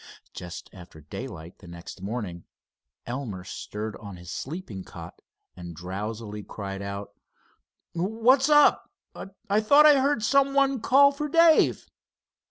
Just after daylight the next morning Elmer stirred on his sleeping cot and drowsily cried out: "What's up? I thought I heard some one call for Dave."